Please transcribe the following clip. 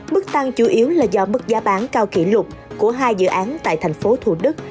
mức tăng chủ yếu là do mức giá bán cao kỷ lục của hai dự án tại thành phố thủ đức